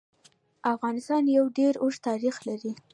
افغانستان يو ډير اوږد تاريخ لري.